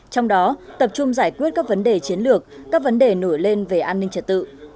trong đó tập trung giải quyết các vấn đề chiến lược các vấn đề nổi lên về an ninh trật tự